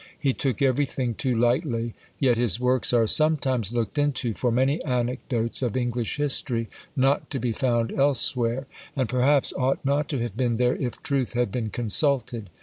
He took everything too lightly; yet his works are sometimes looked into for many anecdotes of English history not to be found elsewhere; and perhaps ought not to have been there if truth had been consulted.